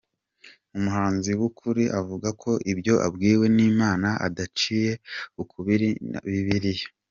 Umuhanuzi w’ukuri: Avuga ibyo abwiwe n’Imana, adaciye ukubiri na Bibiriya .